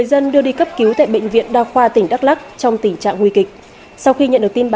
xin chào và hẹn gặp lại